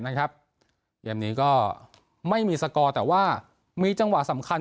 นะครับเรียบนี้ก็ไม่มีแต่ว่ามีจังหวะสำคัญ